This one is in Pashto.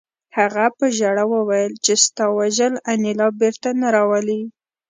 هغه په ژړا وویل چې ستا وژل انیلا بېرته نه راولي